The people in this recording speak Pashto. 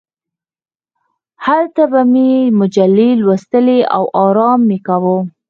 هلته به مې مجلې لوستلې او ارام مې کاوه.